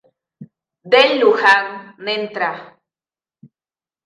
Del Lujan, Ntra.